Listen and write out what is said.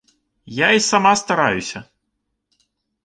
Я й сама стараюся.